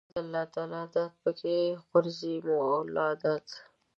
واده د الله داد پکښې غورځي مولاداد.